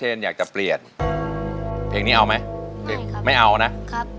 ถ้าเชนอยากจะเปลี่ยนเพลงนี้เอาไหมไม่ครับไม่เอานะครับ